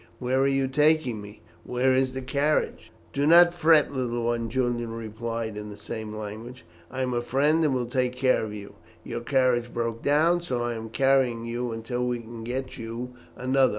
Where are you taking me? Where is the carriage?" "Do not fret, little one," Julian replied in the same language. "I am a friend, and will take care of you. Your carriage broke down, and so I am carrying you until we can get you another.